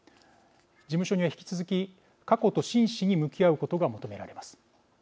事務所には引き続き過去と真摯に向き合うことが求められます。